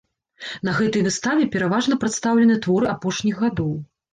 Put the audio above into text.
На гэтай выставе пераважна прадстаўлены творы апошніх гадоў.